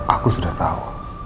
aku sudah tau